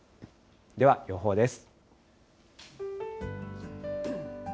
では予報です。